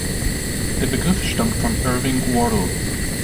Der Begriff stammt von Irving Wardle.